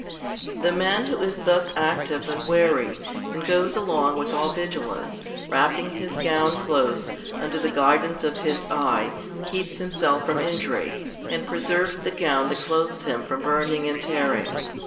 The man who is thus active and wary, and goes along with all vigilance, wrapping his gown close, under the guidance of his eye, keeps himself from injury, and preserves the gown that clothes him from burning and tearing.